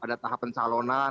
ada tahap pencalonan